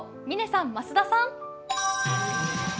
嶺さん、増田さん。